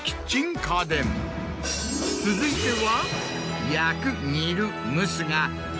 続いては。